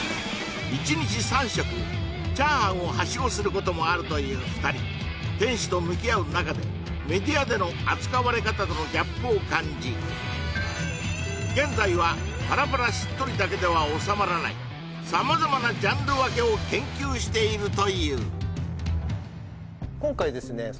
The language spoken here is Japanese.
１日３食チャーハンをはしごすることもあるという２人店主と向き合う中でメディアでの扱われ方とのギャップを感じ現在はパラパラしっとりだけではおさまらないしているという今回ですね